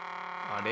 あれ？